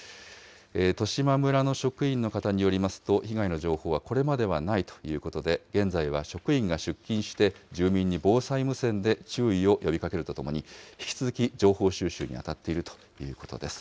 利島村の職員の方によりますと、被害の情報はこれまではないということで、現在は職員が出勤して、住民に防災無線で注意を呼びかけるとともに、引き続き情報収集に当たっているということです。